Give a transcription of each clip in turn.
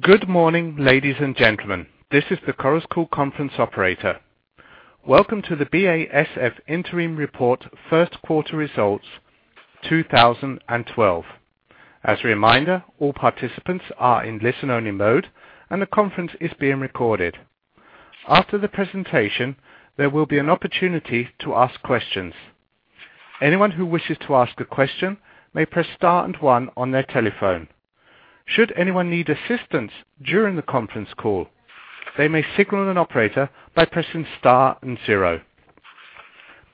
Good morning, ladies and gentlemen. This is the Chorus Call conference operator. Welcome to the BASF Interim Report First Quarter Results 2012. As a reminder, all participants are in listen-only mode and the conference is being recorded. After the presentation, there will be an opportunity to ask questions. Anyone who wishes to ask a question may press star and one on their telephone. Should anyone need assistance during the conference call, they may signal an operator by pressing star and zero.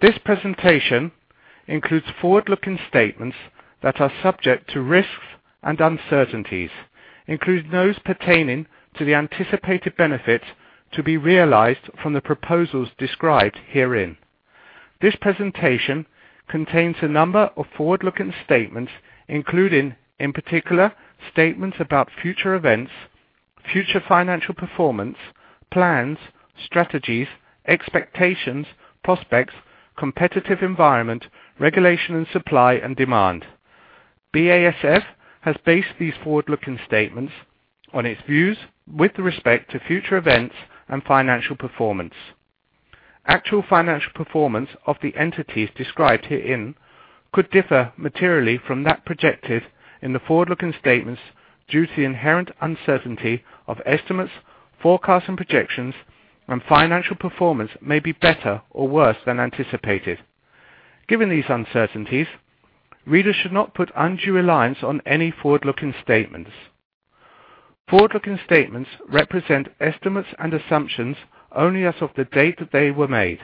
This presentation includes forward-looking statements that are subject to risks and uncertainties, including those pertaining to the anticipated benefits to be realized from the proposals described herein. This presentation contains a number of forward-looking statements, including, in particular, statements about future events, future financial performance, plans, strategies, expectations, prospects, competitive environment, regulation and supply and demand. BASF has based these forward-looking statements on its views with respect to future events and financial performance. Actual financial performance of the entities described herein could differ materially from that projected in the forward-looking statements due to the inherent uncertainty of estimates, forecasts and projections and financial performance may be better or worse than anticipated. Given these uncertainties, readers should not put undue reliance on any forward-looking statements. Forward-looking statements represent estimates and assumptions only as of the date that they were made.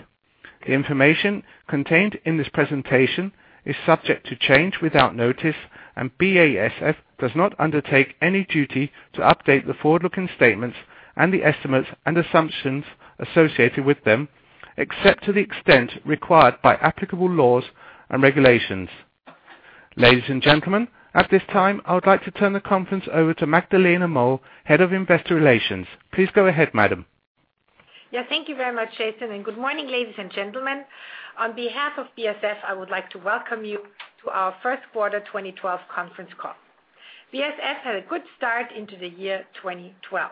The information contained in this presentation is subject to change without notice and BASF does not undertake any duty to update the forward-looking statements and the estimates and assumptions associated with them, except to the extent required by applicable laws and regulations. Ladies and gentlemen, at this time, I would like to turn the conference over to Magdalena Moll, Head of Investor Relations. Please go ahead, madam. Yeah, thank you very much, Jason, and good morning, ladies and gentlemen. On behalf of BASF, I would like to welcome you to our first quarter 2012 conference call. BASF had a good start into the year 2012.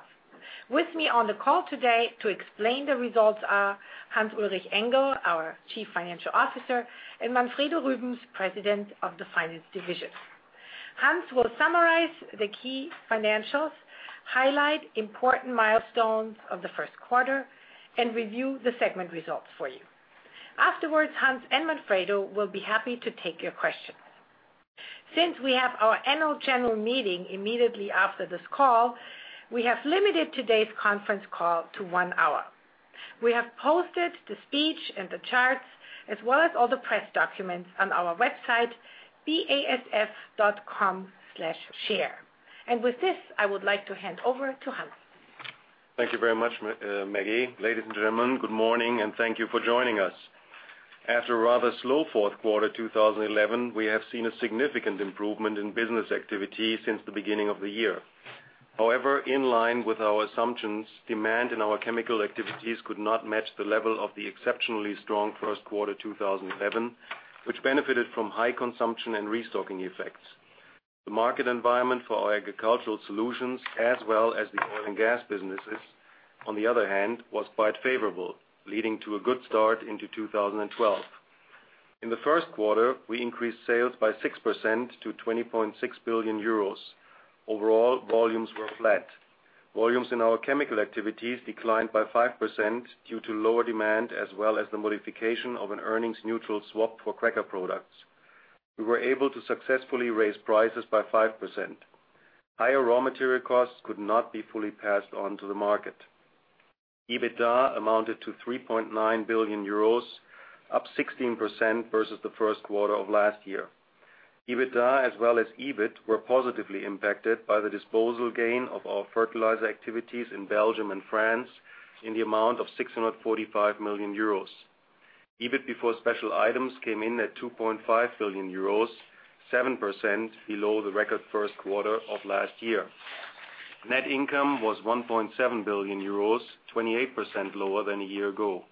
With me on the call today to explain the results are Hans-Ulrich Engel, our Chief Financial Officer, and Manfredo Rübens, President of the Finance Division. Hans will summarize the key financials, highlight important milestones of the first quarter, and review the segment results for you. Afterwards, Hans and Manfredo will be happy to take your questions. Since we have our annual general meeting immediately after this call, we have limited today's conference call to one hour. We have posted the speech and the charts as well as all the press documents on our website, basf.com/share. With this, I would like to hand over to Hans. Thank you very much, Maggie. Ladies and gentlemen, good morning and thank you for joining us. After a rather slow fourth quarter 2011, we have seen a significant improvement in business activity since the beginning of the year. However, in line with our assumptions, demand in our chemical activities could not match the level of the exceptionally strong first quarter 2011, which benefited from high consumption and restocking effects. The market environment for our agricultural solutions as well as the oil and gas businesses, on the other hand, was quite favorable, leading to a good start into 2012. In the first quarter, we increased sales by 6% to 20.6 billion euros. Overall, volumes were flat. Volumes in our chemical activities declined by 5% due to lower demand as well as the modification of an earnings neutral swap for cracker products. We were able to successfully raise prices by 5%. Higher raw material costs could not be fully passed on to the market. EBITDA amounted to 3.9 billion euros, up 16% versus the first quarter of last year. EBITDA as well as EBIT were positively impacted by the disposal gain of our fertilizer activities in Belgium and France in the amount of 645 million euros. EBIT before special items came in at 2.5 billion euros, 7% below the record first quarter of last year. Net income was 1.7 billion euros, 28% lower than a year ago.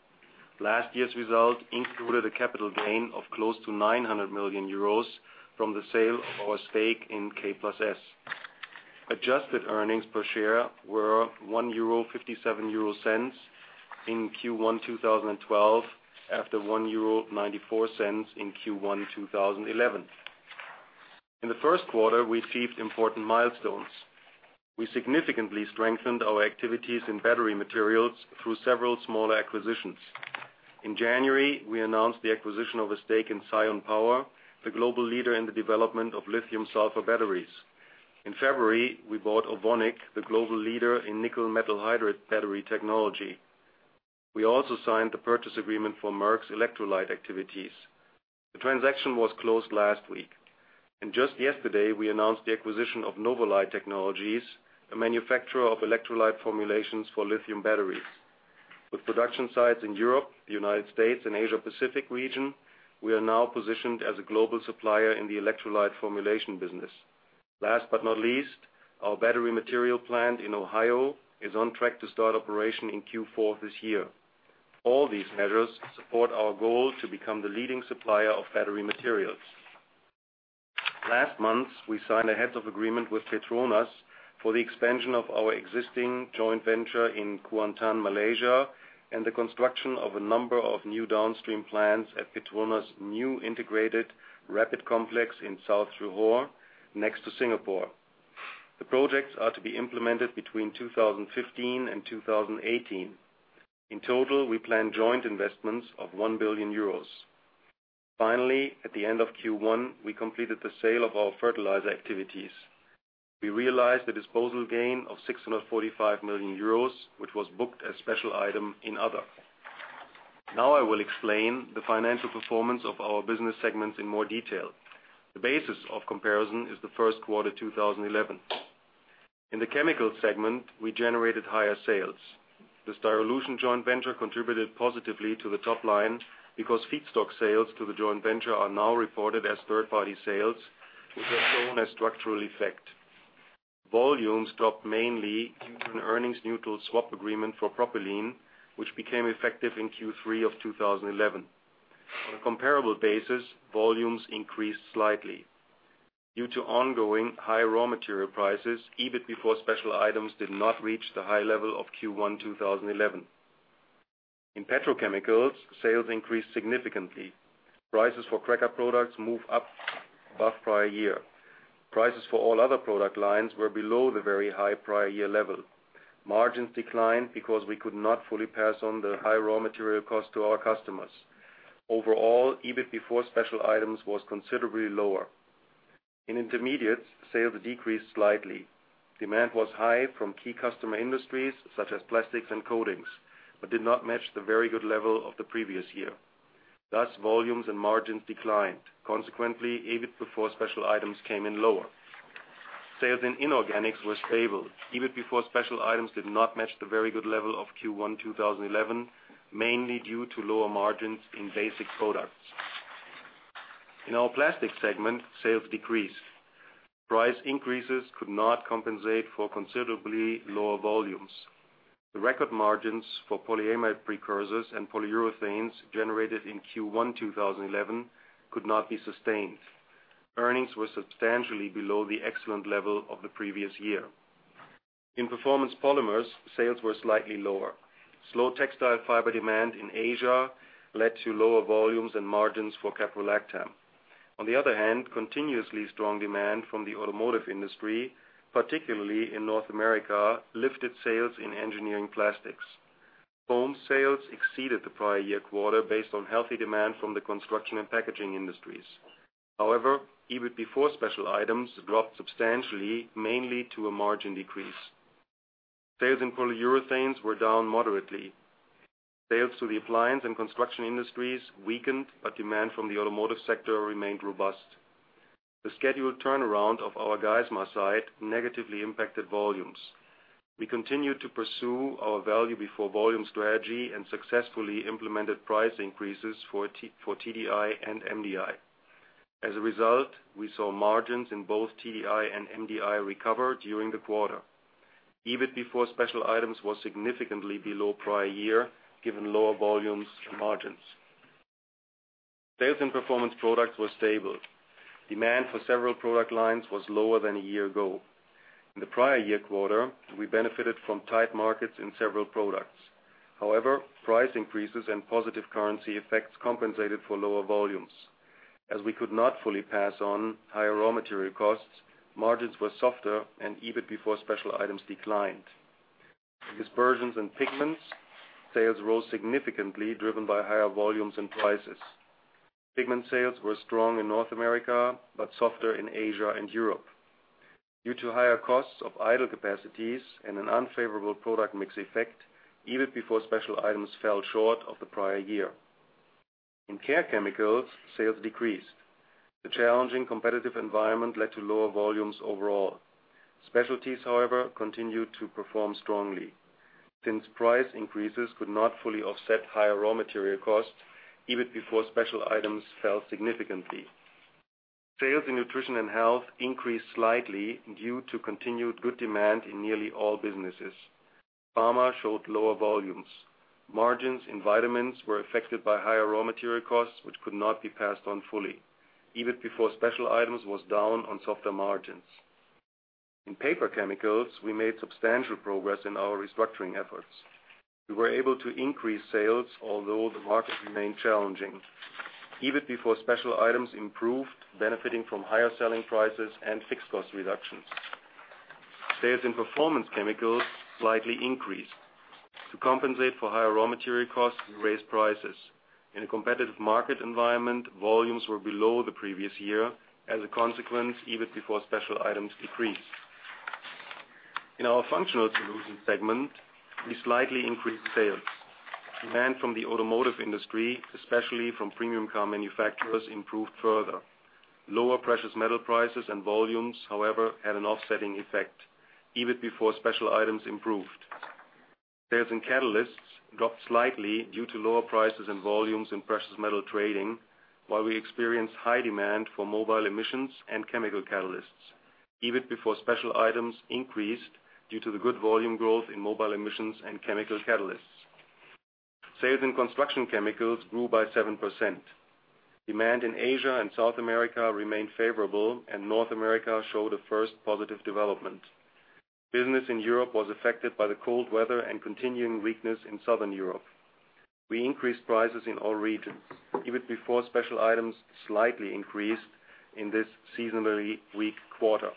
Last year's result included a capital gain of close to 900 million euros from the sale of our stake in K+S. Adjusted earnings per share were 1.57 euro in Q1 2012 after 1.94 euro in Q1 2011. In the first quarter, we achieved important milestones. We significantly strengthened our activities in battery materials through several small acquisitions. In January, we announced the acquisition of a stake in Sion Power, the global leader in the development of lithium sulfur batteries. In February, we bought Ovonic, the global leader in nickel-metal hydride battery technology. We also signed the purchase agreement for Merck's electrolyte activities. The transaction was closed last week. Just yesterday, we announced the acquisition of Novolyte Technologies, a manufacturer of electrolyte formulations for lithium batteries. With production sites in Europe, the United States and Asia Pacific region, we are now positioned as a global supplier in the electrolyte formulation business. Last but not least, our battery material plant in Ohio is on track to start operation in Q4 this year. All these measures support our goal to become the leading supplier of battery materials. Last month, we signed a heads of agreement with PETRONAS for the expansion of our existing joint venture in Kuantan, Malaysia, and the construction of a number of new downstream plants at PETRONAS' new integrated RAPID complex in Southern Johor, next to Singapore. The projects are to be implemented between 2015 and 2018. In total, we plan joint investments of 1 billion euros. Finally, at the end of Q1, we completed the sale of our fertilizer activities. We realized a disposal gain of 645 million euros, which was booked as special item in other. Now I will explain the financial performance of our business segments in more detail. The basis of comparison is the first quarter 2011. In the Chemical segment, we generated higher sales. The Styrolution joint venture contributed positively to the top line because feedstock sales to the joint venture are now reported as third-party sales, which are shown as structural effect. Volumes dropped mainly due to an earnings neutral swap agreement for propylene, which became effective in Q3 2011. On a comparable basis, volumes increased slightly. Due to ongoing high raw material prices, EBIT before special items did not reach the high level of Q1 2011. In Petrochemicals, sales increased significantly. Prices for cracker products move up above prior year. Prices for all other product lines were below the very high prior year level. Margins declined because we could not fully pass on the high raw material cost to our customers. Overall, EBIT before special items was considerably lower. In Intermediates, sales decreased slightly. Demand was high from key customer industries such as plastics and coatings, but did not match the very good level of the previous year. Thus, volumes and margins declined. Consequently, EBIT before special items came in lower. Sales in Inorganics were stable. EBIT before special items did not match the very good level of Q1 2011, mainly due to lower margins in basic products. In our Plastics segment, sales decreased. Price increases could not compensate for considerably lower volumes. The record margins for polyamide precursors and polyurethanes generated in Q1 2011 could not be sustained. Earnings were substantially below the excellent level of the previous year. In Performance Polymers, sales were slightly lower. Slow textile fiber demand in Asia led to lower volumes and margins for Caprolactam. On the other hand, continuously strong demand from the automotive industry, particularly in North America, lifted sales in Engineering Plastics. Foam sales exceeded the prior-year quarter based on healthy demand from the construction and packaging industries. However, EBIT before special items dropped substantially, mainly due to a margin decrease. Sales in Polyurethanes were down moderately. Sales to the appliance and construction industries weakened, but demand from the automotive sector remained robust. The scheduled turnaround of our Geismar site negatively impacted volumes. We continued to pursue our value before volume strategy and successfully implemented price increases for TDI and MDI. As a result, we saw margins in both TDI and MDI recover during the quarter. EBIT before special items was significantly below prior year, given lower volumes and margins. Sales in Performance Products were stable. Demand for several product lines was lower than a year ago. In the prior year quarter, we benefited from tight markets in several products. However, price increases and positive currency effects compensated for lower volumes. As we could not fully pass on higher raw material costs, margins were softer and EBIT before special items declined. Dispersions and Pigments, sales rose significantly, driven by higher volumes and prices. Pigment sales were strong in North America, but softer in Asia and Europe. Due to higher costs of idle capacities and an unfavorable product mix effect, EBIT before special items fell short of the prior year. In Care Chemicals, sales decreased. The challenging competitive environment led to lower volumes overall. Specialties, however, continued to perform strongly. Since price increases could not fully offset higher raw material costs, EBIT before special items fell significantly. Sales in Nutrition and Health increased slightly due to continued good demand in nearly all businesses. Pharma showed lower volumes. Margins in Vitamins were affected by higher raw material costs, which could not be passed on fully. EBIT before special items was down on softer margins. In Paper Chemicals, we made substantial progress in our restructuring efforts. We were able to increase sales, although the market remained challenging. EBIT before special items improved, benefiting from higher selling prices and fixed cost reductions. Sales in Performance Chemicals slightly increased. To compensate for higher raw material costs, we raised prices. In a competitive market environment, volumes were below the previous year. As a consequence, EBIT before special items decreased. In our Functional Solutions segment, we slightly increased sales. Demand from the automotive industry, especially from premium car manufacturers, improved further. Lower precious metal prices and volumes, however, had an offsetting effect. EBIT before special items improved. Sales in Catalysts dropped slightly due to lower prices and volumes in precious metal trading, while we experienced high demand for mobile emissions and chemical catalysts. EBIT before special items increased due to the good volume growth in mobile emissions and chemical catalysts. Sales in Construction Chemicals grew by 7%. Demand in Asia and South America remained favorable, and North America showed a first positive development. Business in Europe was affected by the cold weather and continuing weakness in Southern Europe. We increased prices in all regions. EBIT before special items slightly increased in this seasonally weak quarter.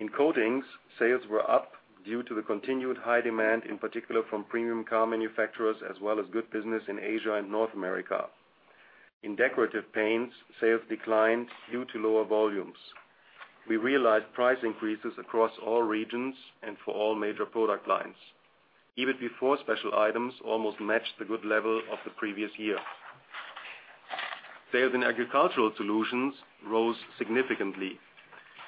In Coatings, sales were up due to the continued high demand, in particular from premium car manufacturers as well as good business in Asia and North America. In Decorative Paints, sales declined due to lower volumes. We realized price increases across all regions and for all major product lines. EBIT before special items almost matched the good level of the previous year. Sales in Agricultural Solutions rose significantly.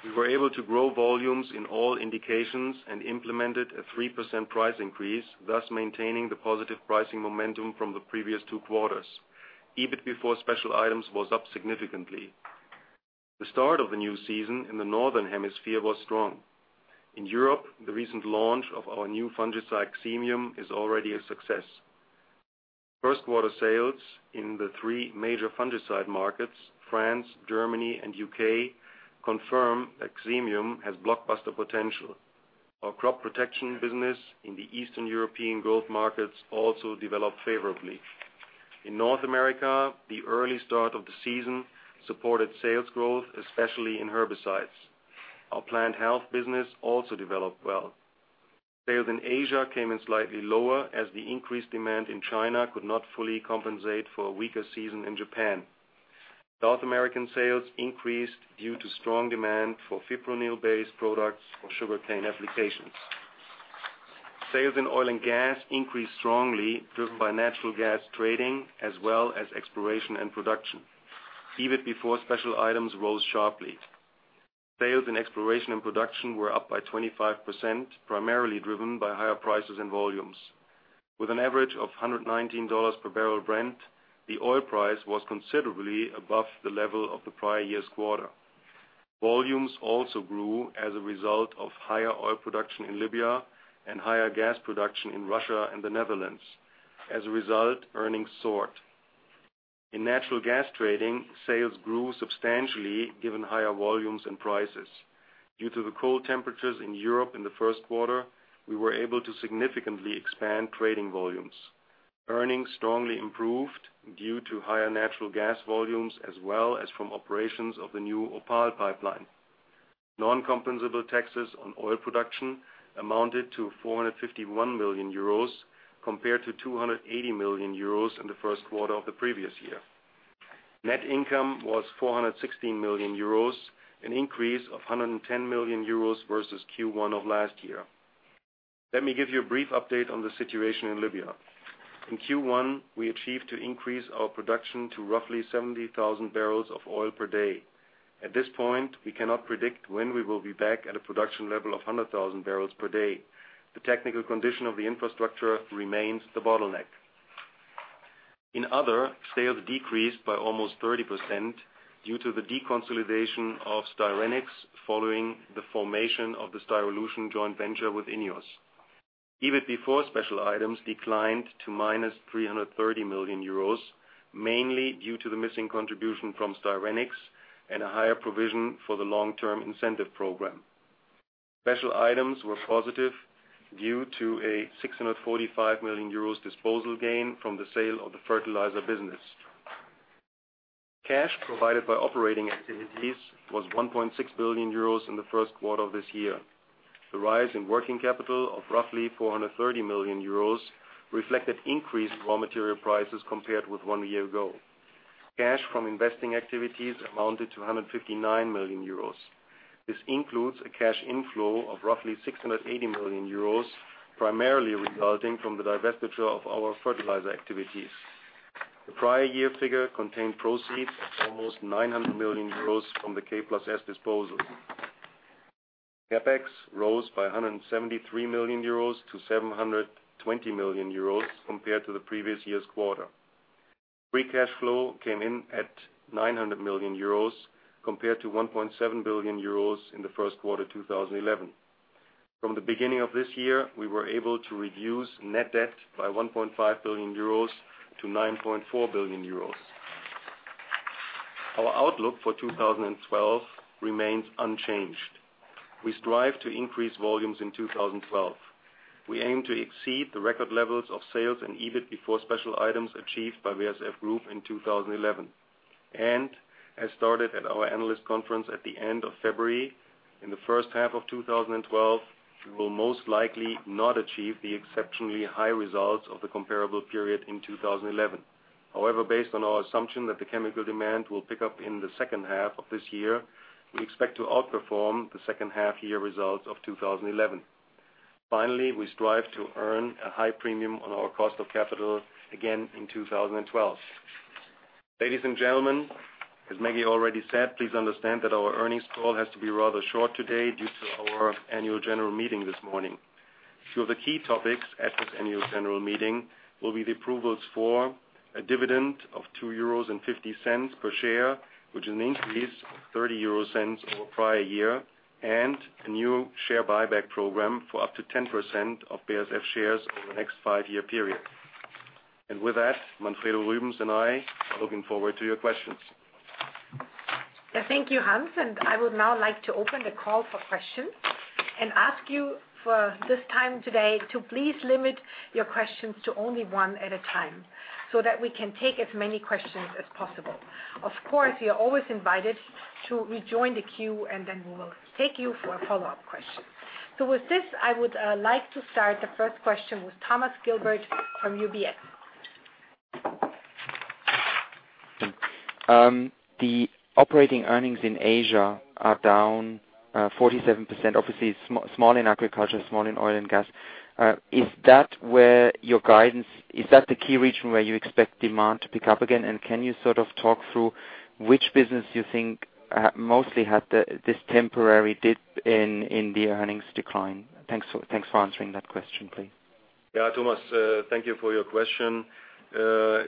We were able to grow volumes in all indications and implemented a 3% price increase, thus maintaining the positive pricing momentum from the previous two quarters. EBIT before special items was up significantly. The start of the new season in the northern hemisphere was strong. In Europe, the recent launch of our new fungicide, Xemium, is already a success. First quarter sales in the three major fungicide markets, France, Germany, and U.K., confirm that Xemium has blockbuster potential. Our crop protection business in the Eastern European growth markets also developed favorably. In North America, the early start of the season supported sales growth, especially in herbicides. Our plant health business also developed well. Sales in Asia came in slightly lower as the increased demand in China could not fully compensate for a weaker season in Japan. South American sales increased due to strong demand for fipronil-based products for sugarcane applications. Sales in Oil and Gas increased strongly, driven by natural gas trading as well as exploration and production. EBIT before special items rose sharply. Sales in Exploration and Production were up by 25%, primarily driven by higher prices and volumes. With an average of $119 per barrel Brent, the oil price was considerably above the level of the prior year's quarter. Volumes also grew as a result of higher oil production in Libya and higher gas production in Russia and the Netherlands. As a result, earnings soared. In natural gas trading, sales grew substantially given higher volumes and prices. Due to the cold temperatures in Europe in the first quarter, we were able to significantly expand trading volumes. Earnings strongly improved due to higher natural gas volumes as well as from operations of the new OPAL pipeline. Non-compensable taxes on oil production amounted to 451 million euros compared to 280 million euros in the first quarter of the previous year. Net income was 416 million euros, an increase of 110 million euros versus Q1 of last year. Let me give you a brief update on the situation in Libya. In Q1, we achieved to increase our production to roughly 70,000 barrels of oil per day. At this point, we cannot predict when we will be back at a production level of 100,000 barrels per day. The technical condition of the infrastructure remains the bottleneck. In Other, sales decreased by almost 30% due to the deconsolidation of Styrenics following the formation of the Styrolution joint venture with INEOS. EBIT before special items declined to -330 million euros, mainly due to the missing contribution from Styrenics and a higher provision for the long-term incentive program. Special items were positive due to a 645 million euros disposal gain from the sale of the fertilizer business. Cash provided by operating activities was 1.6 billion euros in the first quarter of this year. The rise in working capital of roughly 430 million euros reflected increased raw material prices compared with one year ago. Cash from investing activities amounted to 159 million euros. This includes a cash inflow of roughly 680 million euros, primarily resulting from the divestiture of our fertilizer activities. The prior year figure contained proceeds of almost 900 million euros from the K+S disposal. CapEx rose by 173 million euros to 720 million euros compared to the previous year's quarter. Free cash flow came in at 900 million euros compared to 1.7 billion euros in the first quarter 2011. From the beginning of this year, we were able to reduce net debt by 1.5 billion euros to 9.4 billion euros. Our outlook for 2012 remains unchanged. We strive to increase volumes in 2012. We aim to exceed the record levels of sales and EBIT before special items achieved by BASF Group in 2011. As stated at our analyst conference at the end of February, in the first half of 2012, we will most likely not achieve the exceptionally high results of the comparable period in 2011. However, based on our assumption that the chemical demand will pick up in the second half of this year, we expect to outperform the second half year results of 2011. Finally, we strive to earn a high premium on our cost of capital again in 2012. Ladies and gentlemen, as Maggie already said, please understand that our earnings call has to be rather short today due to our annual general meeting this morning. Two of the key topics at this annual general meeting will be the approvals for a dividend of 2.50 euros per share, which is an increase of 0.30 over prior year, and a new share buyback program for up to 10% of BASF shares over the next five-year period. With that, Manfredo Rübens and I are looking forward to your questions. Thank you, Hans. I would now like to open the call for questions and ask you for this time today to please limit your questions to only one at a time so that we can take as many questions as possible. Of course, you're always invited to rejoin the queue, and then we will take you for a follow-up question. With this, I would like to start the first question with Thomas Gilbert from UBS. The operating earnings in Asia are down 47%, obviously small in agriculture, small in oil and gas. Is that the key region where you expect demand to pick up again? Can you sort of talk through which business you think mostly had this temporary dip in the earnings decline? Thanks for answering that question, please. Yeah. Thomas, thank you for your question.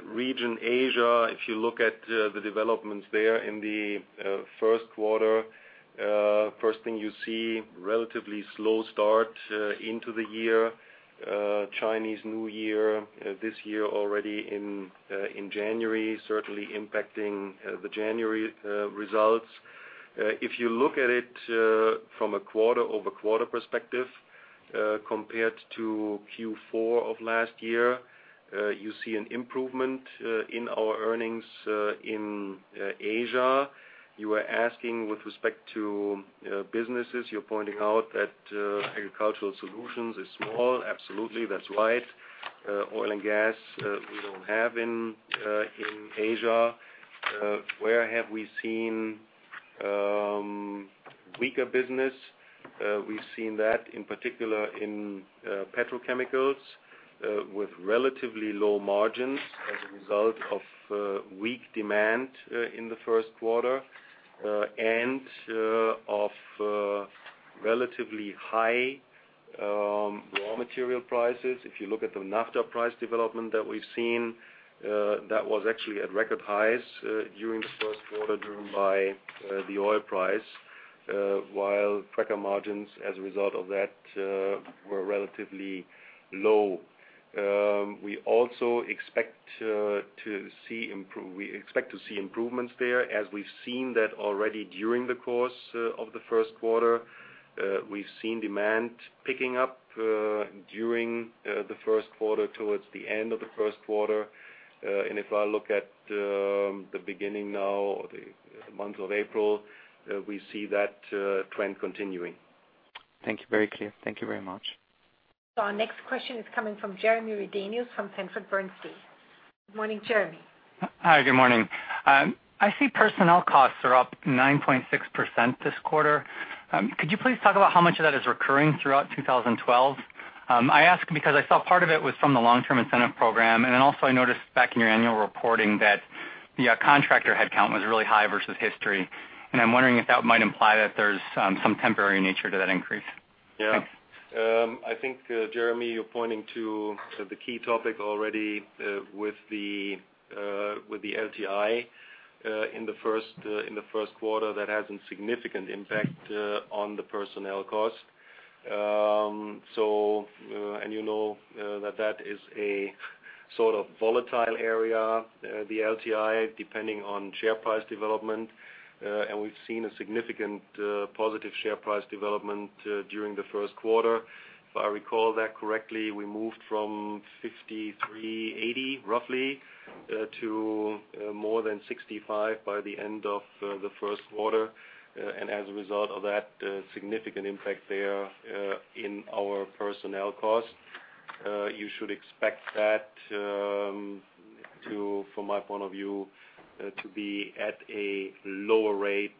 Region Asia, if you look at the developments there in the first quarter, first thing you see, relatively slow start into the year, Chinese New Year this year already in January, certainly impacting the January results. If you look at it from a quarter-over-quarter perspective, compared to Q4 of last year, you see an improvement in our earnings in Asia. You are asking with respect to businesses, you're pointing out that Agricultural Solutions is small. Absolutely. That's right. Oil and Gas, we don't have in Asia. Where have we seen weaker business? We've seen that in particular in petrochemicals with relatively low margins as a result of weak demand in the first quarter and of relatively high raw material prices. If you look at the naphtha price development that we've seen, that was actually at record highs during the first quarter driven by the oil price while cracker margins as a result of that were relatively low. We also expect to see improvements there as we've seen that already during the course of the first quarter. We've seen demand picking up during the first quarter towards the end of the first quarter. If I look at the beginning now or the month of April, we see that trend continuing. Thank you. Very clear. Thank you very much. Our next question is coming from Jeremy Redenius from Sanford C. Bernstein. Good morning, Jeremy. Hi. Good morning. I see personnel costs are up 9.6% this quarter. Could you please talk about how much of that is recurring throughout 2012? I ask because I saw part of it was from the long-term incentive program, and then also I noticed back in your annual reporting that the contractor headcount was really high versus history. I'm wondering if that might imply that there's some temporary nature to that increase? Yeah. I think, Jeremy, you're pointing to the key topic already, with the LTI in the first quarter that has a significant impact on the personnel cost. You know, that is a sort of volatile area, the LTI, depending on share price development, and we've seen a significant positive share price development during the first quarter. If I recall that correctly, we moved from 53.80 roughly to more than 65 by the end of the first quarter, and as a result of that, significant impact there in our personnel cost. You should expect that, from my point of view, to be at a lower rate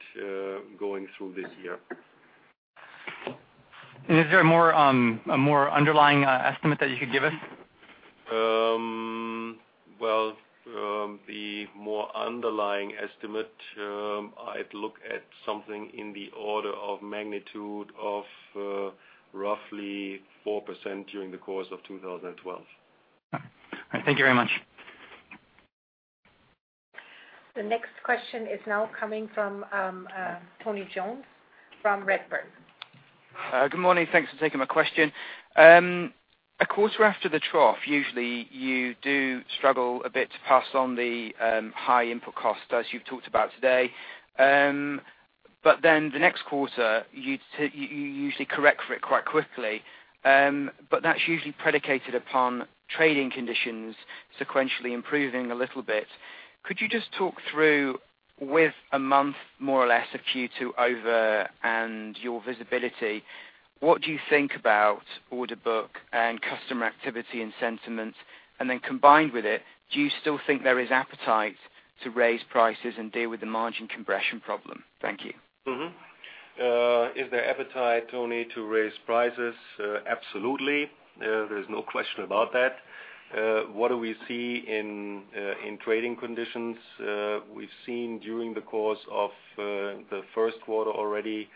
going through this year. Is there a more underlying estimate that you could give us? Well, the more underlying estimate, I'd look at something in the order of magnitude of roughly 4% during the course of 2012. Alright. Thank you very much. The next question is now coming from Tony Jones from Redburn. Good morning. Thanks for taking my question. A quarter after the trough, usually you do struggle a bit to pass on the high input cost as you've talked about today. The next quarter, you usually correct for it quite quickly, but that's usually predicated upon trading conditions sequentially improving a little bit. Could you just talk through with a month more or less of Q2 over and your visibility, what do you think about order book and customer activity and sentiment? Combined with it, do you still think there is appetite to raise prices and deal with the margin compression problem? Thank you. Is there appetite, Tony, to raise prices? Absolutely. There's no question about that. What do we see in trading conditions? We've seen during the course of the first quarter already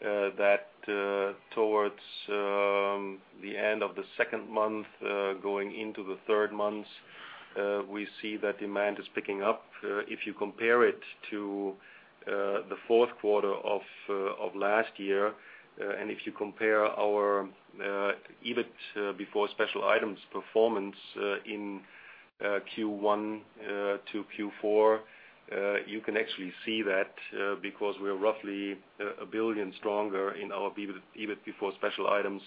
that towards the end of the second month going into the third month we see that demand is picking up. If you compare it to the fourth quarter of last year and if you compare our EBIT before special items performance in Q1 to Q4 you can actually see that because we're roughly 1 billion stronger in our EBIT before special items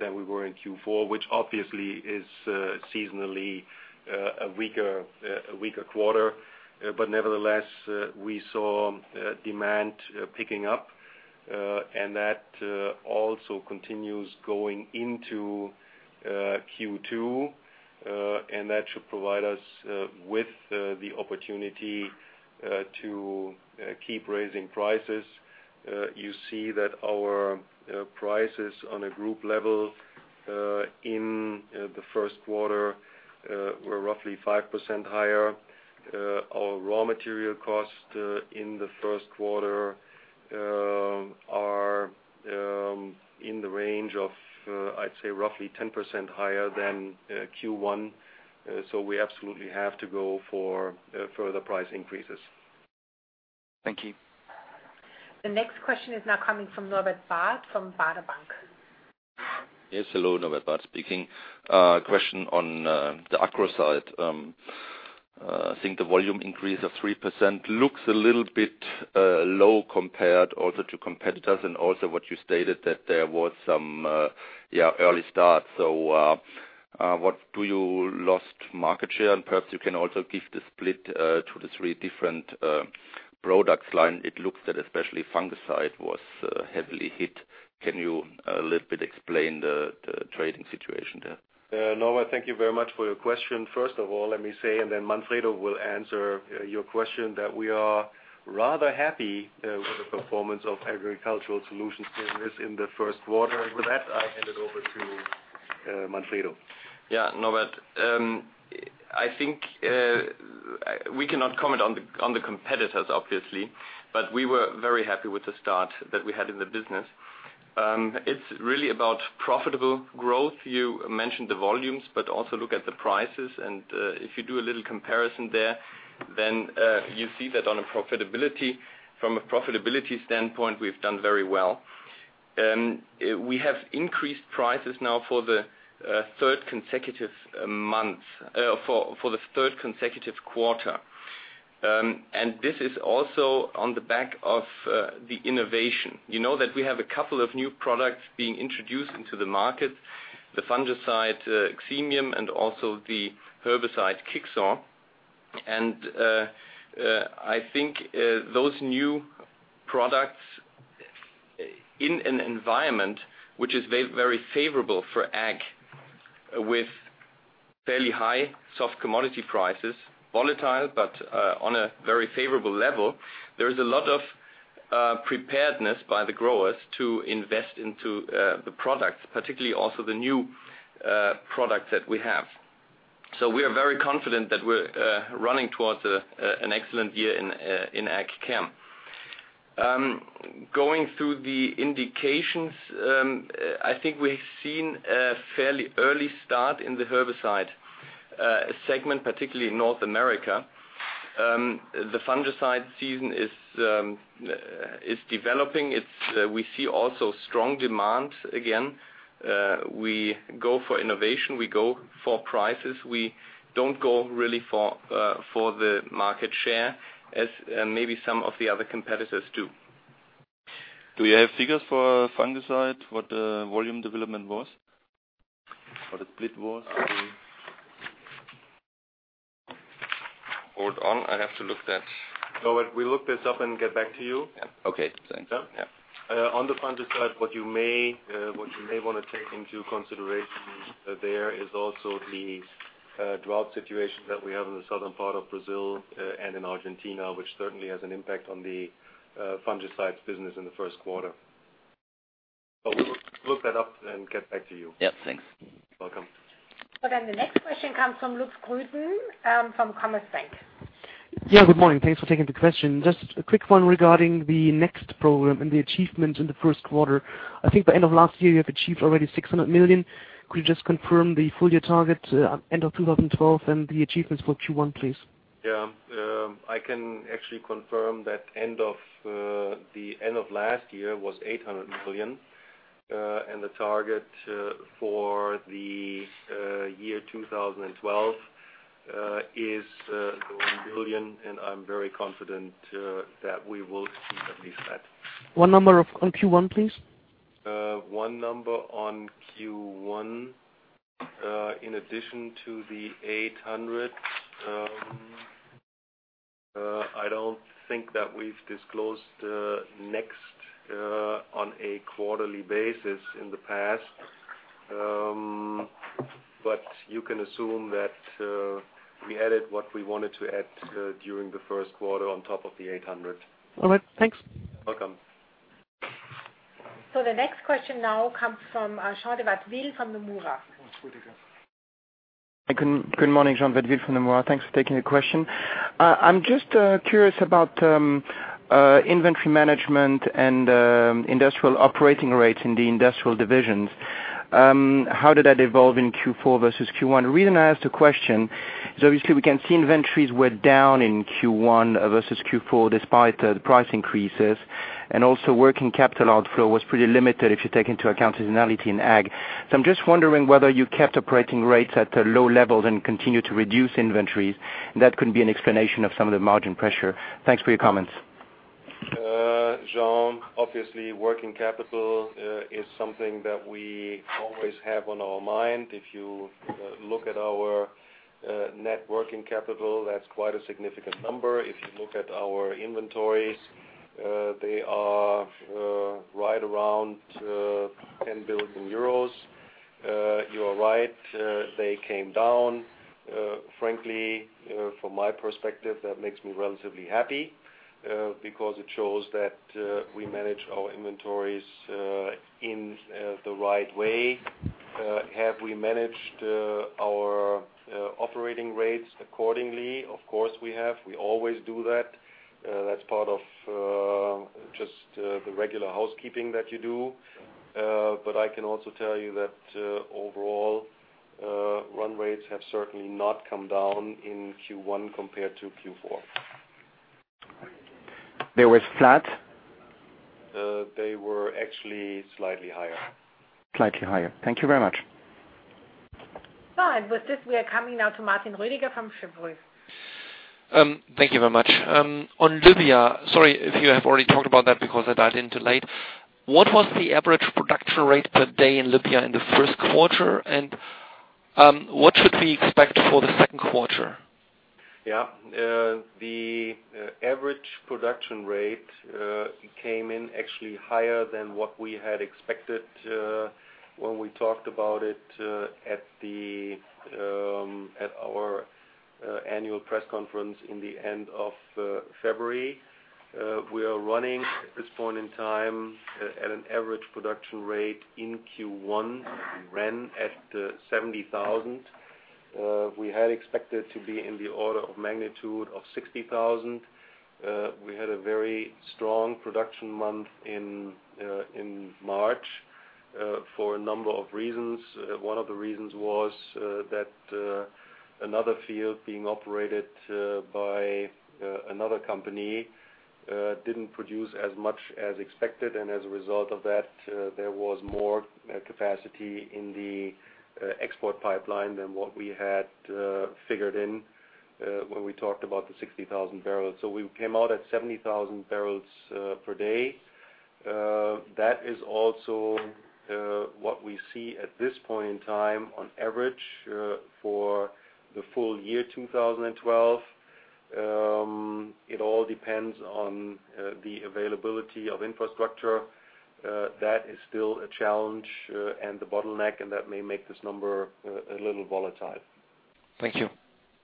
than we were in Q4, which obviously is seasonally a weaker quarter. Nevertheless, we saw demand picking up, and that also continues going into Q2. That should provide us with the opportunity to keep raising prices. You see that our prices on a group level in the first quarter were roughly 5% higher. Our raw material costs in the first quarter are in the range of, I'd say, roughly 10% higher than Q1. We absolutely have to go for further price increases. Thank you. The next question is now coming from Norbert Barth from Baader Bank. Yes, hello, Norbert Barth speaking. Question on the agro side. I think the volume increase of 3% looks a little bit low compared also to competitors and also what you stated that there was some early start. What did you lose market share? And perhaps you can also give the split to the three different product lines. It looks that especially fungicide was heavily hit. Can you a little bit explain the trading situation there? Yeah, Norbert, thank you very much for your question. First of all, let me say, and then Manfredo will answer your question, that we are rather happy with the performance of Agricultural Solutions business in the first quarter. With that, I hand it over to Manfredo. Yeah, Norbert. I think we cannot comment on the competitors, obviously, but we were very happy with the start that we had in the business. It's really about profitable growth. You mentioned the volumes, but also look at the prices. If you do a little comparison there, you see that on a profitability, from a profitability standpoint, we've done very well. We have increased prices now for the third consecutive quarter. This is also on the back of the innovation. You know that we have a couple of new products being introduced into the market, the fungicide Xemium, and also the herbicide Kixor. I think those new products in an environment which is very favorable for ag with fairly high soft commodity prices, volatile, but on a very favorable level, there is a lot of preparedness by the growers to invest into the products, particularly also the new products that we have. We are very confident that we're running towards an excellent year in AgChem. Going through the indications, I think we've seen a fairly early start in the herbicide segment, particularly in North America. The fungicide season is developing. It's, we see also strong demand again. We go for innovation, we go for prices. We don't go really for the market share as maybe some of the other competitors do. Do you have figures for fungicide, what the volume development was? What the split was? Hold on. Norbert, we look this up and get back to you. Yeah. Okay, thanks. Yeah. On the fungicide, what you may wanna take into consideration there is also the drought situation that we have in the southern part of Brazil and in Argentina, which certainly has an impact on the fungicides business in the first quarter. We'll look that up and get back to you. Yeah, thanks. Welcome. The next question comes from Lutz Grüten, from Commerzbank. Yeah, good morning. Thanks for taking the question. Just a quick one regarding the NEXT Program and the achievement in the first quarter. I think by end of last year, you have achieved already 600 million. Could you just confirm the full year target, end of 2012 and the achievements for Q1, please? I can actually confirm that end of last year was 800 million. The target for the year 2012 is 1 billion. I'm very confident that we will keep at least that. One number off on Q1, please? One number on Q1. In addition to the 800 million, I don't think that we've disclosed NEXT on a quarterly basis in the past. You can assume that we added what we wanted to add during the first quarter on top of the 800 million. Alright, thanks. Welcome. The next question now comes from Jean de Watteville from Nomura. Oh, it's good again. Good morning, Jean de Watteville from Nomura. Thanks for taking the question. I'm just curious about inventory management and industrial operating rates in the industrial divisions. How did that evolve in Q4 versus Q1? The reason I asked the question is obviously we can see inventories were down in Q1 versus Q4 despite the price increases, and also working capital outflow was pretty limited if you take into account seasonality in ag. I'm just wondering whether you kept operating rates at low levels and continue to reduce inventories, and that could be an explanation of some of the margin pressure? Thanks for your comments. Jean, obviously, working capital is something that we always have on our mind. If you look at our net working capital, that's quite a significant number. If you look at our inventories, they are right around 10 billion euros. You are right, they came down. Frankly, from my perspective, that makes me relatively happy because it shows that we manage our inventories in the right way. Have we managed our operating rates accordingly? Of course, we have. We always do that. That's part of just the regular housekeeping that you do. But I can also tell you that overall run rates have certainly not come down in Q1 compared to Q4. They were flat? They were actually slightly higher. Slightly higher. Thank you very much. Alright. With this, we are coming now to Martin Roediger from Cheuvreux. Thank you very much. On Libya, sorry if you have already talked about that because I dialed in too late. What was the average production rate per day in Libya in the first quarter? What should we expect for the second quarter? The average production rate came in actually higher than what we had expected when we talked about it at our annual press conference at the end of February. We are running at this point in time at an average production rate in Q1. We ran at 70,000. We had expected to be in the order of magnitude of 60,000. We had a very strong production month in March for a number of reasons. One of the reasons was that another field being operated by another company didn't produce as much as expected, and as a result of that, there was more capacity in the export pipeline than what we had figured in when we talked about the 60,000 barrels. We came out at 70,000 barrels per day. That is also what we see at this point in time on average for the full year 2012. It all depends on the availability of infrastructure. That is still a challenge and the bottleneck, and that may make this number a little volatile. Thank you.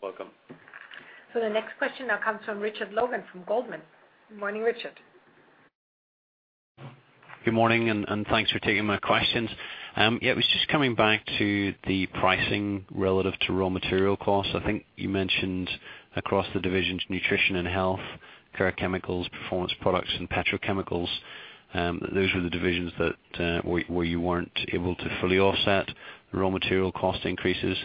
Welcome. The next question now comes from Richard Logan from Goldman. Good morning Richard. Good morning, and thanks for taking my questions. Yeah, it was just coming back to the pricing relative to raw material costs. I think you mentioned across the divisions, Nutrition and Health, Care Chemicals, Performance Products, and Petrochemicals, those were the divisions that, where you weren't able to fully offset raw material cost increases.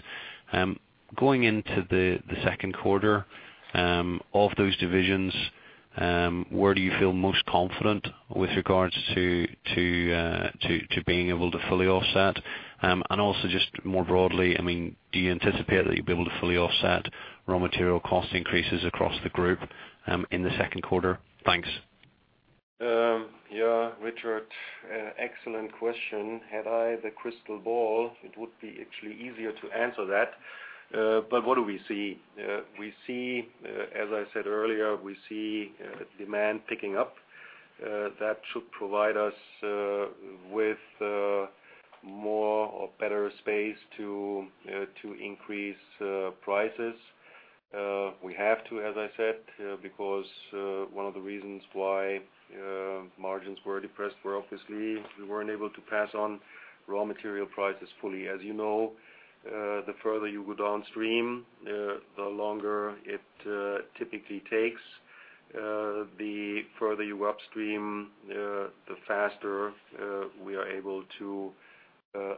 Going into the second quarter of those divisions, where do you feel most confident with regards to being able to fully offset? Also just more broadly, I mean, do you anticipate that you'll be able to fully offset raw material cost increases across the group in the second quarter? Thanks. Richard, excellent question. Had I the crystal ball, it would be actually easier to answer that. What do we see? We see, as I said earlier, demand picking up. That should provide us with more or better space to increase prices. We have to, as I said, because one of the reasons why margins were depressed was obviously we weren't able to pass on raw material prices fully. As you know, the further you go downstream, the longer it typically takes. The further upstream, the faster we are able to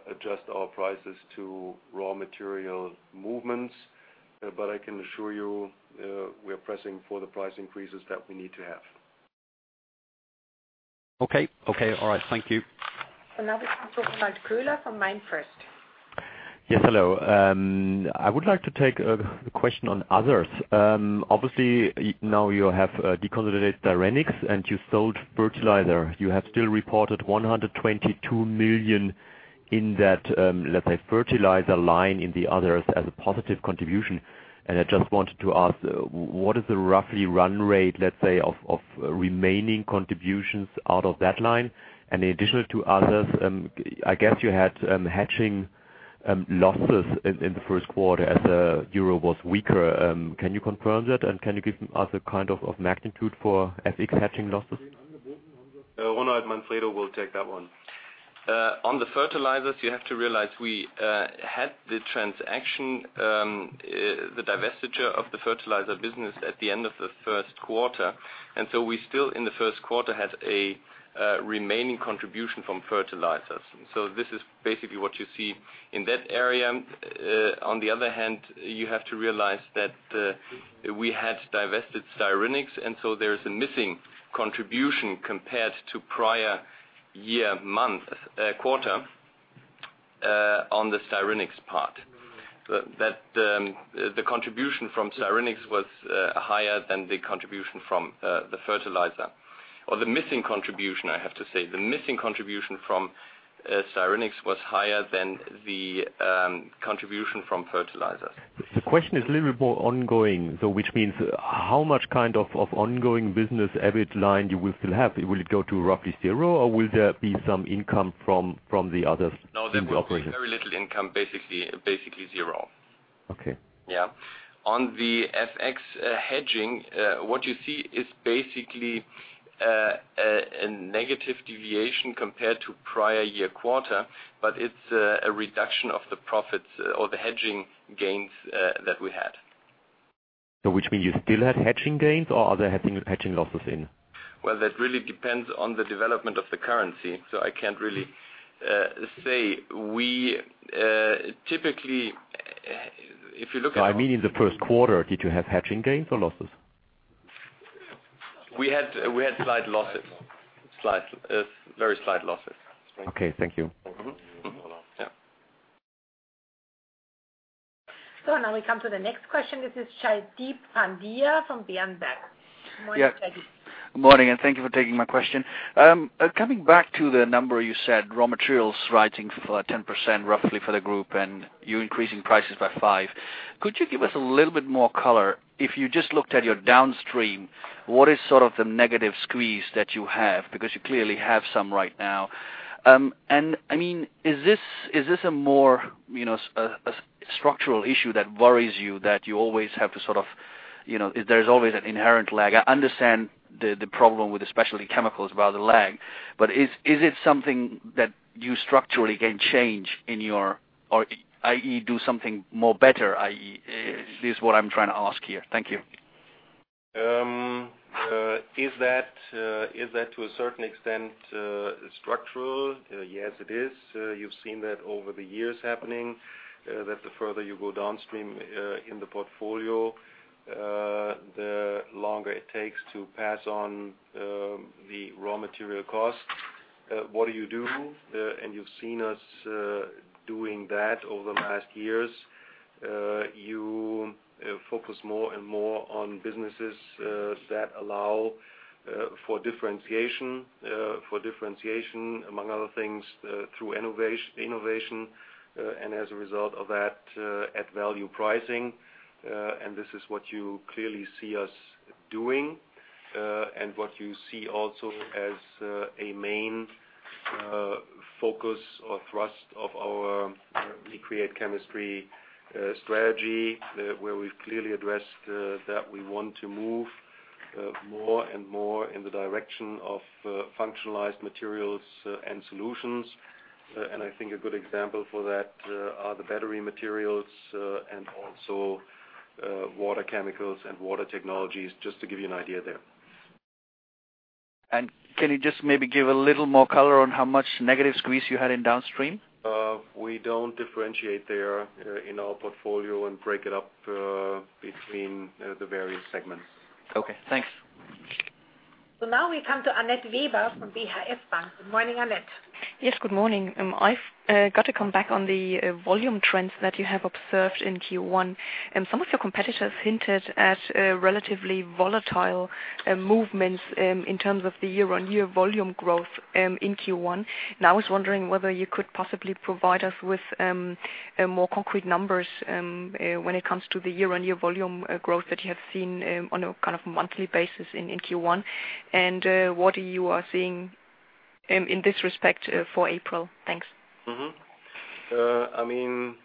adjust our prices to raw material movements. I can assure you, we are pressing for the price increases that we need to have. Okay. Alright. Thank you. Now we come to Ronald Köhler from MainFirst. Yes, hello. I would like to take a question on others. Obviously, now you have deconsolidated Styrenics, and you sold fertilizer. You have still reported 122 million in that, let's say, fertilizer line in the others as a positive contribution. I just wanted to ask, what is the roughly run rate, let's say, of remaining contributions out of that line? In addition to others, I guess you had hedging losses in the first quarter as euro was weaker. Can you confirm that? Can you give us a kind of magnitude for FX hedging losses? Ronald, Manfredo will take that one. On the fertilizers, you have to realize we had the transaction, the divestiture of the fertilizer business at the end of the first quarter. We still in the first quarter had a remaining contribution from fertilizers. This is basically what you see in that area. On the other hand, you have to realize that we had divested Styrenics, there is a missing contribution compared to prior year, month, quarter, on the Styrenics part. That the contribution from Styrenics was higher than the contribution from the fertilizer. Or the missing contribution, I have to say. The missing contribution from Styrenics was higher than the contribution from fertilizers. The question is a little bit more ongoing, so which means how much kind of ongoing business EBIT line you will still have? Will it go to roughly zero, or will there be some income from the other? No, there will be very little income, basically zero. Okay. Yeah. On the FX hedging, what you see is basically a negative deviation compared to prior-year quarter, but it's a reduction of the profits or the hedging gains that we had. Which means you still had hedging gains or are there hedging losses in? Well, that really depends on the development of the currency, so I can't really say. We typically, if you look at our... I mean, in the first quarter, did you have hedging gains or losses? We had slight losses. Very slight losses. Okay, thank you. Mm-hmm. Yeah. Now we come to the next question. This is Jaideep Pandya from Berenberg. Good morning Jaideep. Good morning, and thank you for taking my question. Coming back to the number you said, raw materials rising 5%-10% roughly for the group, and you increasing prices by 5%. Could you give us a little bit more color? If you just looked at your downstream, what is sort of the negative squeeze that you have? Because you clearly have some right now. I mean, is this a more, you know, a structural issue that worries you that you always have to sort of, you know? There's always an inherent lag. I understand the problem with the specialty chemicals about the lag, but is it something that you structurally can change in your? Or i.e., do something more better, i.e., is what I'm trying to ask here. Thank you. Is that to a certain extent structural? Yes, it is. You've seen that over the years happening, that the further you go downstream in the portfolio, the longer it takes to pass on the raw material costs. What do you do? You've seen us doing that over the last years. You focus more and more on businesses that allow for differentiation, among other things, through innovation, and as a result of that, at value pricing. This is what you clearly see us doing, and what you see also as a main focus or thrust of our We create chemistry strategy, where we've clearly addressed that we want to move more and more in the direction of functionalized materials and solutions. I think a good example for that are the battery materials, and also water chemicals and water technologies, just to give you an idea there. Can you just maybe give a little more color on how much negative squeeze you had in downstream? We don't differentiate there in our portfolio and break it up between the various segments. Okay, thanks. Now we come to Annette Weber from BHF Bank. Good morning, Annette. Yes, good morning. I've got to come back on the volume trends that you have observed in Q1. Some of your competitors hinted at relatively volatile movements in terms of the year-over-year volume growth in Q1. I was wondering whether you could possibly provide us with a more concrete numbers when it comes to the year-over-year volume growth that you have seen on a kind of monthly basis in Q1, and what you are seeing in this respect for April? Thanks. I mean,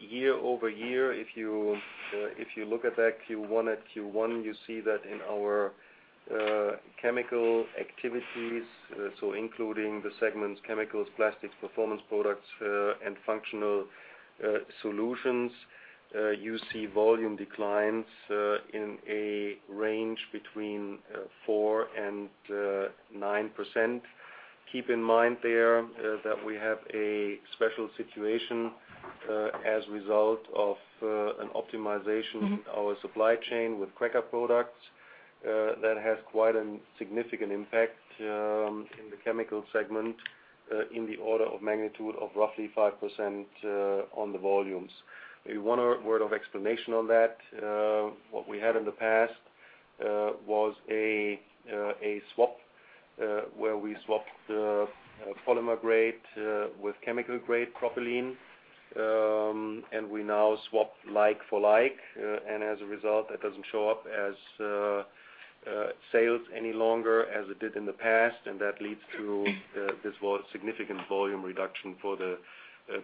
year over year, if you look at that Q1 to Q1, you see that in our chemical activities, so including the segments Chemicals, Plastics, Performance Products, and Functional Solutions, you see volume declines in a range between 4%-9%. Keep in mind there that we have a special situation as a result of an optimization. Mm-hmm. Our supply chain with cracker products, that has quite a significant impact in the Chemical segment, in the order of magnitude of roughly 5% on the volumes. Maybe one word of explanation on that. What we had in the past was a swap, where we swapped polymer grade with chemical grade propylene. We now swap like for like, and as a result, that doesn't show up as sales any longer as it did in the past. That leads to this significant volume reduction for the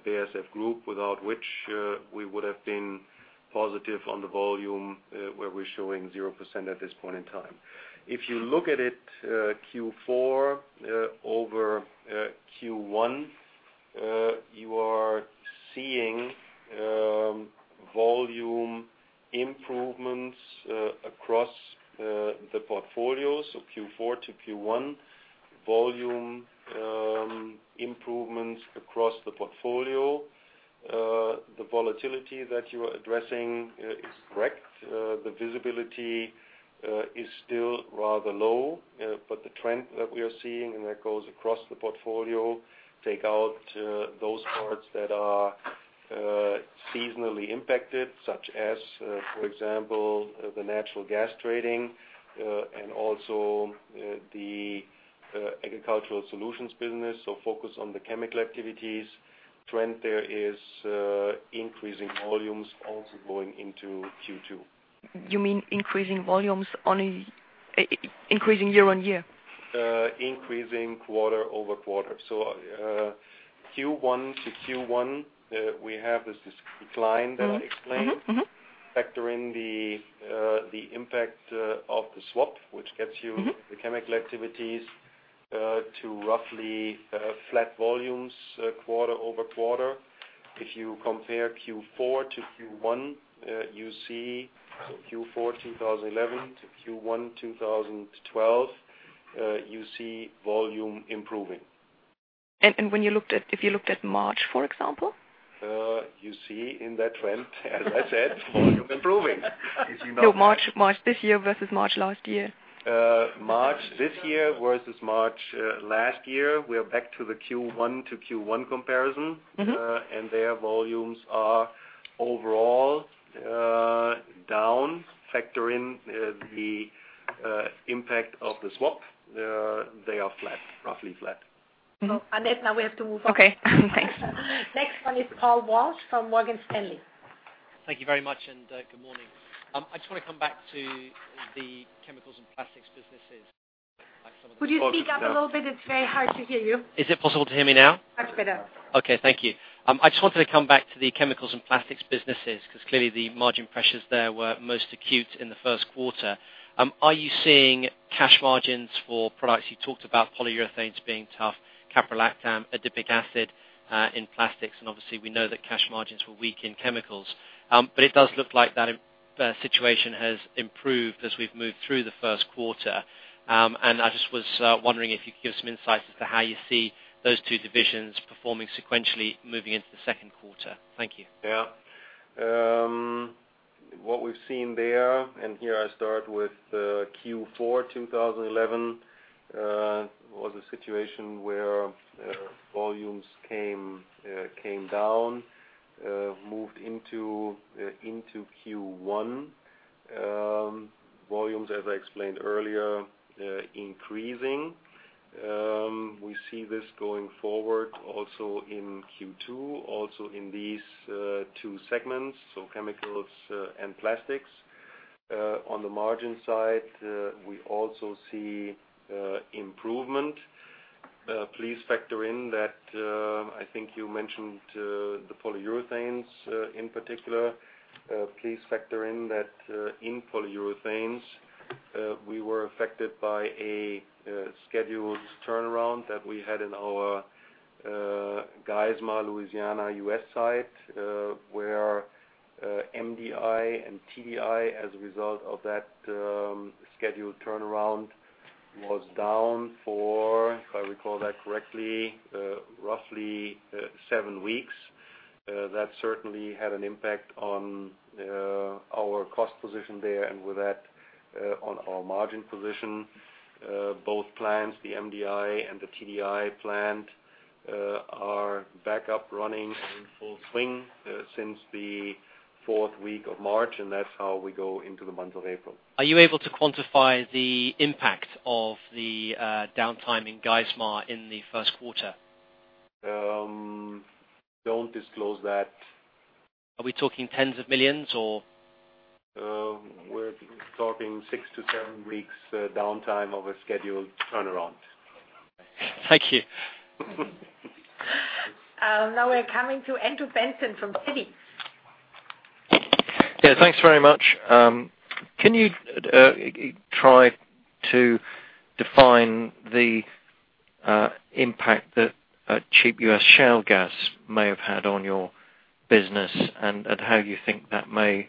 BASF group, without which we would have been positive on the volume, where we're showing 0% at this point in time. If you look at it, Q4 over Q1, you are seeing volume improvements across the portfolios of Q4 to Q1. Volume improvements across the portfolio. The volatility that you are addressing is correct. The visibility is still rather low, but the trend that we are seeing, and that goes across the portfolio, take out those parts that are seasonally impacted, such as, for example, the natural gas trading, and also the Agricultural Solutions business, so focus on the chemical activities. Trend there is increasing volumes also going into Q2. You mean increasing volumes only, increasing year-over-year? Increasing quarter-over-quarter. Q1 to Q1, we have this decline that I explained. Mm-hmm. Mm-hmm. Factor in the impact of the swap, which gets you... Mm-hmm ...the chemical activities to roughly flat volumes quarter-over-quarter. If you compare Q4 to Q1, you see so Q4 2011 to Q1 2012, you see volume improving. If you looked at March, for example? You see in that trend, as I said, volume improving. As you know. No, March this year versus March last year. March this year versus March last year, we are back to the Q1 to Q1 comparison. Mm-hmm. Their volumes are overall down. Factor in the impact of the swap, they are flat, roughly flat. Annette, now we have to move on. Okay. Thanks. Next one is Paul Walsh from Morgan Stanley. Thank you very much, and good morning. I just want to come back to the Chemicals and Plastics businesses. Like some of the? Could you speak up a little bit? It's very hard to hear you. Is it possible to hear me now? Much better. Okay, thank you. I just wanted to come back to the Chemicals and Plastics businesses, because clearly the margin pressures there were most acute in the first quarter. Are you seeing cash margins for products? You talked about polyurethanes being tough, Caprolactam, Adipic acid, in Plastics, and obviously we know that cash margins were weak in Chemicals. It does look like that situation has improved as we've moved through the first quarter. I just was wondering if you could give some insights as to how you see those two divisions performing sequentially moving into the second quarter? Thank you. Yeah. What we've seen there, here I start with Q4 2011, was a situation where volumes came down, moved into Q1. Volumes, as I explained earlier, increasing. We see this going forward also in Q2, also in these two segments, so Chemicals and Plastics. On the margin side, we also see improvement. Please factor in that, I think you mentioned the polyurethanes in particular. Please factor in that, in Polyurethanes, we were affected by a scheduled turnaround that we had in our Geismar, Louisiana, U.S. site, where MDI and TDI, as a result of that scheduled turnaround, was down for, if I recall that correctly, roughly seven weeks. That certainly had an impact on our cost position there, and with that, on our margin position. Both plants, the MDI and the TDI plant, are back up running in full swing, since the fourth week of March, and that's how we go into the month of April. Are you able to quantify the impact of the downtime in Geismar in the first quarter? Don't disclose that. Are we talking tens of millions or? We're talking six to seven weeks downtime of a scheduled turnaround. Thank you. Now we're coming to Andrew Benson from Citi. Yeah, thanks very much. Can you try to define the impact that cheap U.S. shale gas may have had on your business and how you think that may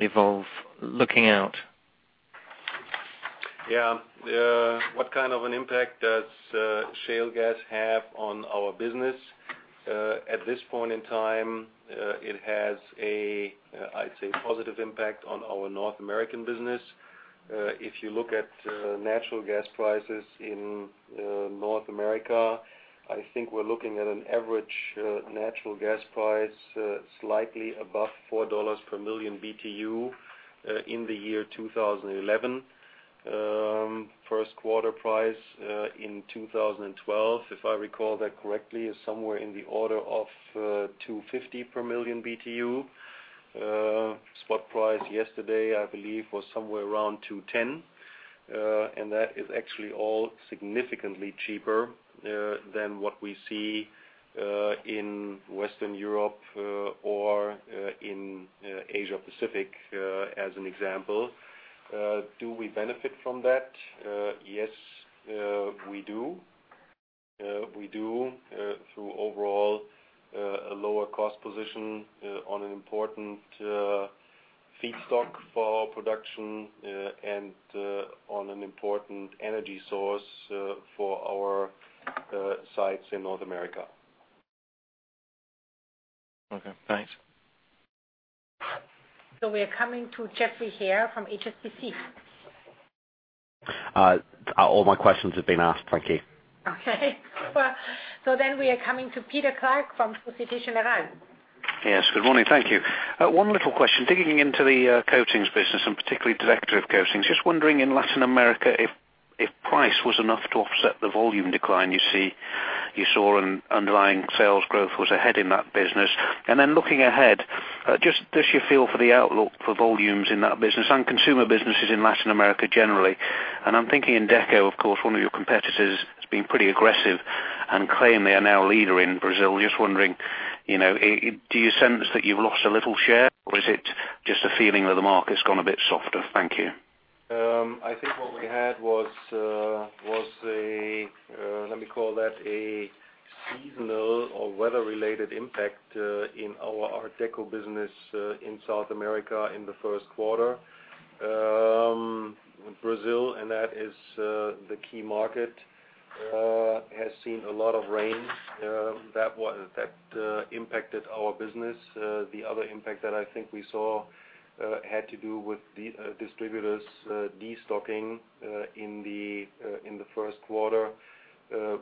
evolve looking out? Yeah. What kind of an impact does shale gas have on our business? At this point in time, it has a, I'd say, positive impact on our North American business. If you look at natural gas prices in North America, I think we're looking at an average natural gas price slightly above $4 per million BTU in the year 2011. First quarter price in 2012, if I recall that correctly, is somewhere in the order of $2.50 per million BTU. Spot price yesterday, I believe, was somewhere around $2.10. That is actually all significantly cheaper than what we see in Western Europe or in Asia Pacific as an example. Do we benefit from that? Yes, we do. We do through overall a lower cost position on an important feedstock for our production and on an important energy source for our sites in North America. Okay, thanks. We are coming to Geoff Haire from HSBC. All my questions have been asked. Thank you. Well, we are coming to Peter Clark from Société Générale. Yes. Good morning. Thank you. One little question, digging into the coatings business and particularly decorative coatings. Just wondering in Latin America if price was enough to offset the volume decline you saw and underlying sales growth was ahead in that business. Then looking ahead, just do you feel for the outlook for volumes in that business and consumer businesses in Latin America generally. I'm thinking in Deco, of course, one of your competitors has been pretty aggressive and claims they are now a leader in Brazil. Just wondering, you know, do you sense that you've lost a little share, or is it just a feeling that the market's gone a bit softer? Thank you. I think what we had was a seasonal or weather-related impact in our Deco business in South America in the first quarter. Brazil, and that is the key market, has seen a lot of rain that impacted our business. The other impact that I think we saw had to do with the distributors destocking in the first quarter.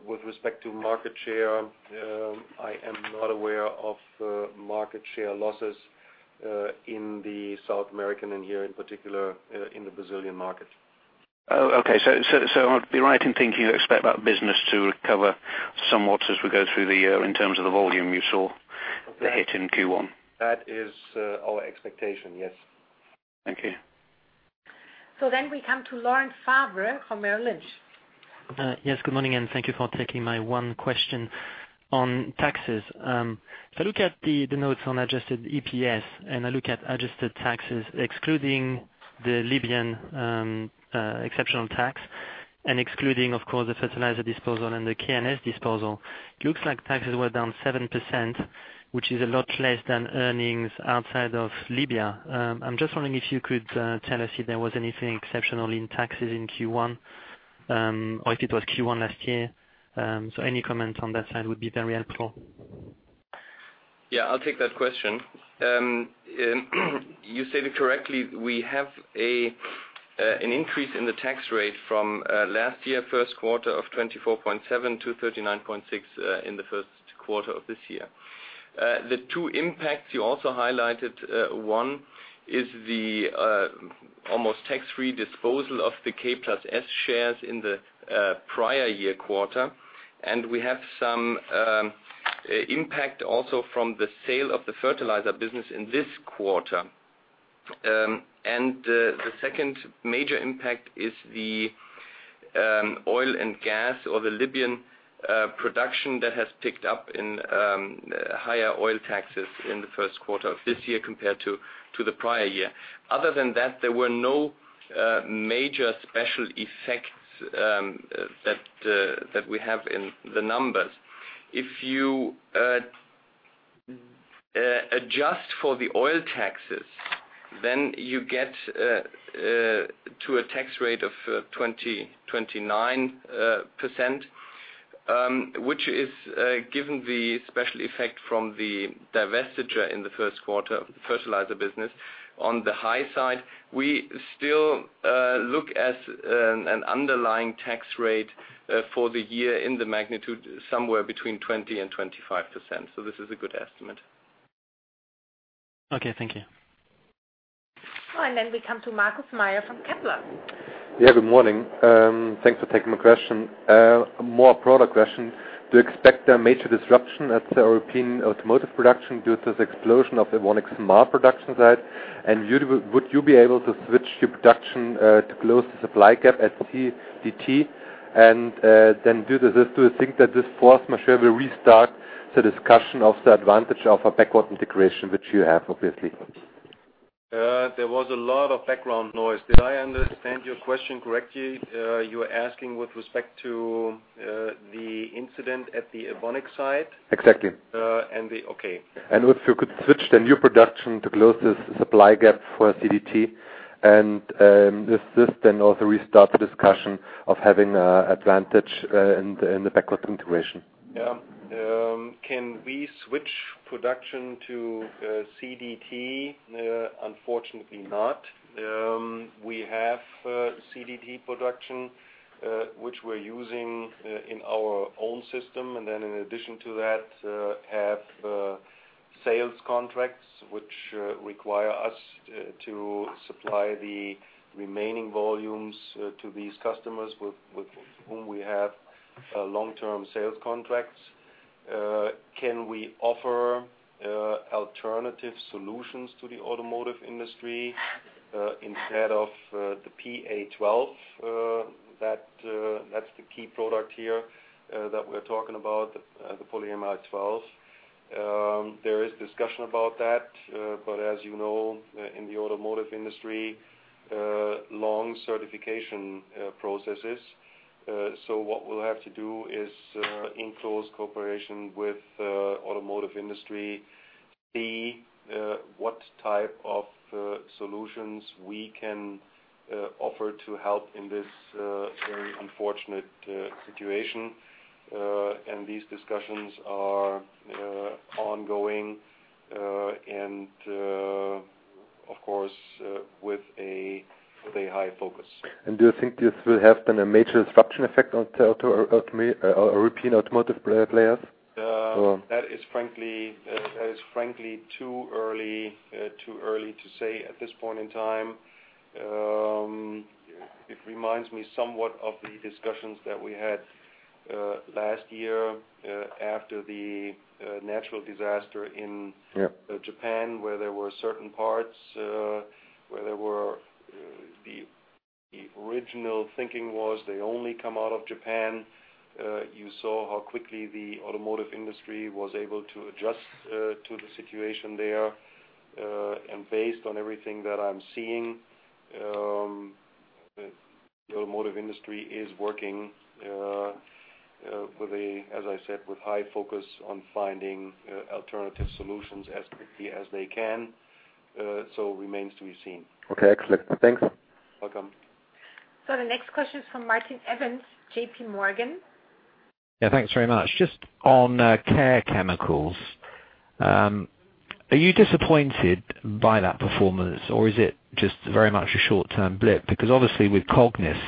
With respect to market share, I am not aware of market share losses in the South American, and here, in particular, in the Brazilian market. Oh, okay. I would be right in thinking you expect that business to recover somewhat as we go through the year in terms of the volume you saw? The hit in Q1. That is, our expectation, yes. Thank you. We come to Laurent Favre from Merrill Lynch. Yes, good morning, and thank you for taking my one question on taxes. If I look at the notes on adjusted EPS, and I look at adjusted taxes, excluding the Libyan exceptional tax and excluding, of course, the fertilizer disposal and the K+S disposal, looks like taxes were down 7%, which is a lot less than earnings outside of Libya. I'm just wondering if you could tell us if there was anything exceptional in taxes in Q1, or if it was Q1 last year? Any comment on that side would be very helpful. Yeah, I'll take that question. You stated correctly, we have an increase in the tax rate from last year first quarter of 24.7% to 39.6% in the first quarter of this year. The two impacts you also highlighted, one is the almost tax-free disposal of the K+S shares in the prior year quarter, and we have some impact also from the sale of the fertilizer business in this quarter. The second major impact is the oil and gas or the Libyan production that has picked up in higher oil taxes in the first quarter of this year compared to the prior year. Other than that, there were no major special effects that we have in the numbers. If you adjust for the oil taxes, then you get to a tax rate of 29%, which is given the special effect from the divestiture in the first quarter of the fertilizer business. On the high side, we still look at an underlying tax rate for the year in the magnitude somewhere between 20%-25%. This is a good estimate. Okay, thank you. We come to Markus Mayer from Kepler. Yeah, good morning. Thanks for taking my question. More product question. Do you expect a major disruption at the European automotive production due to the explosion of the Evonik Marl production site? Would you be able to switch your production to close the supply gap at CDT? Do you think that this fourth machine will restart the discussion of the advantage of a backward integration which you have, obviously? There was a lot of background noise. Did I understand your question correctly? You're asking with respect to the incident at the Evonik site? Exactly. Okay. If you could switch the new production to close this supply gap for CDT and is this then also restart the discussion of having advantage in the backward integration? Can we switch production to CDT? Unfortunately not. We have CDT production which we're using in our own system, and then in addition to that, have sales contracts which require us to supply the remaining volumes to these customers with whom we have long-term sales contracts. Can we offer alternative solutions to the automotive industry instead of the PA 12? That's the key product here that we're talking about, the polyamide 12. There is discussion about that. As you know, in the automotive industry, long certification processes. What we'll have to do is, in close cooperation with the automotive industry, see what type of solutions we can offer to help in this very unfortunate situation. These discussions are ongoing, and of course with a high focus. Do you think this will have been a major disruption effect on auto or European automotive players or? That is frankly too early to say at this point in time. It reminds me somewhat of the discussions that we had last year after the natural disaster in Japan, where there were certain parts, the original thinking was they only come out of Japan. You saw how quickly the automotive industry was able to adjust to the situation there. Based on everything that I'm seeing, the automotive industry is working, as I said, with high focus on finding alternative solutions as quickly as they can. Remains to be seen. Okay. Excellent. Thanks. Welcome. The next question is from Martin Evans, JPMorgan. Yeah, thanks very much. Just on Care Chemicals. Are you disappointed by that performance, or is it just very much a short-term blip? Because obviously with Cognis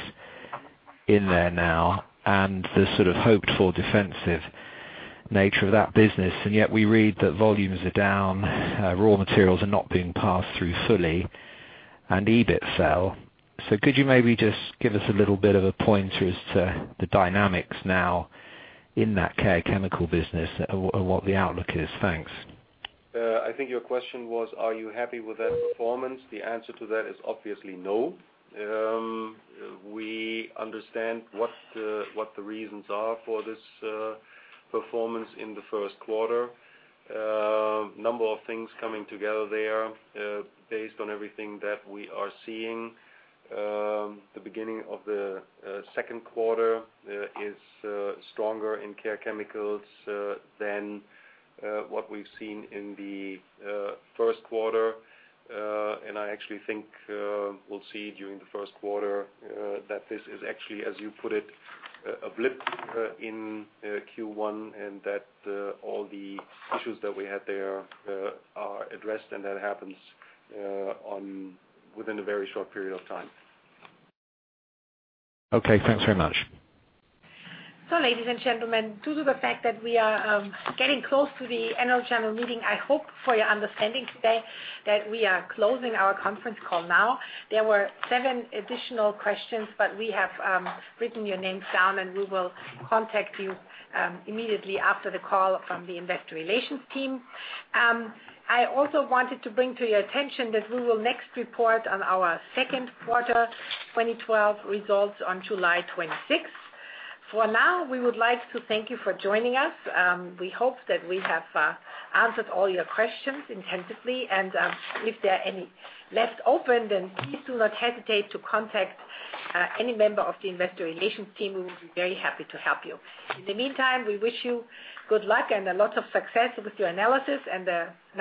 in there now and the sort of hoped-for defensive nature of that business, and yet we read that volumes are down, raw materials are not being passed through fully and EBIT fell. Could you maybe just give us a little bit of a pointer as to the dynamics now in that care chemical business and what the outlook is? Thanks. I think your question was, are you happy with that performance? The answer to that is obviously no. We understand what the reasons are for this performance in the first quarter, number of things coming together there. Based on everything that we are seeing, the beginning of the second quarter is stronger in Care Chemicals than what we've seen in the first quarter. I actually think we'll see during the second quarter that this is actually, as you put it, a blip in Q1, and that all the issues that we had there are addressed, and that happens within a very short period of time. Okay, thanks very much. Ladies and gentlemen, due to the fact that we are getting close to the annual general meeting, I hope for your understanding today that we are closing our conference call now. There were seven additional questions, but we have written your names down, and we will contact you immediately after the call from the investor relations team. I also wanted to bring to your attention that we will next report on our second quarter 2012 results on July 26th. For now, we would like to thank you for joining us. We hope that we have answered all your questions intensively. If there are any left open, then please do not hesitate to contact any member of the investor relations team. We will be very happy to help you. In the meantime, we wish you good luck and a lot of success with your analysis and a nice day.